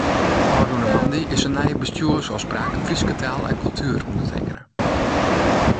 Ofrûne moandei is de nije Bestjoersôfspraak Fryske Taal en Kultuer ûndertekene.